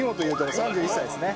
３１歳ですね。